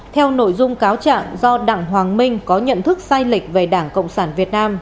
theo nội dung cáo trạng do đặng hoàng minh có nhận thức sai lệch về đảng cộng sản việt nam